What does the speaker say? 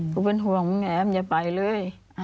ก็เป็นห่วงแอมอย่าไปเลย